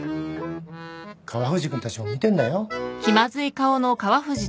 川藤君たちも見てんだよ。